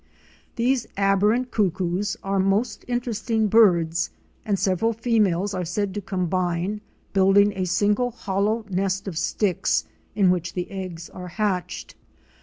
These aberrant Cuckoos are most interesting birds and several females are said to combine, building a single hollow nest of sticks in which the eggs are hatched.